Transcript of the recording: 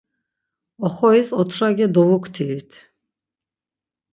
Oxoris otrage dovuktirit.